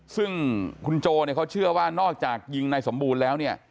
ซึ่งคุณโจ้เขาเชื่อว่านอกจากยิงในสมบูรณ์แล้ว